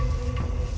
sampai jumpa lagi